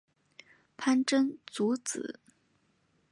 潘珍族子。